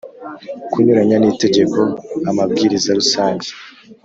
kunyuranya n itegeko amabwiriza rusange